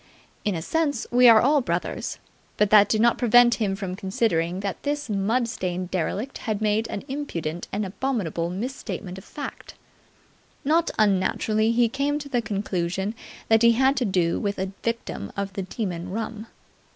In a sense, we are all brothers; but that did not prevent him from considering that this mud stained derelict had made an impudent and abominable mis statement of fact. Not unnaturally he came to the conclusion that he had to do with a victim of the Demon Rum.